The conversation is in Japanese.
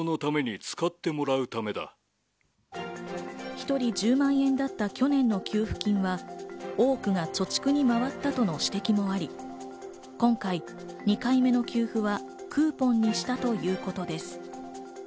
１人１０万円だった去年の給付金は多くが貯蓄に回ったとの指摘もあり、今回２回目の給付はクーポンにしたということです。